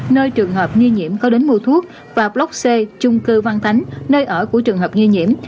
nơi trường hợp nghi nhiễm có đến mua thuốc và blockcha trung cư văn thánh nơi ở của trường hợp nghi nhiễm